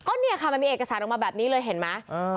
ก็เนี่ยค่ะมันมีเอกสารออกมาแบบนี้เลยเห็นไหม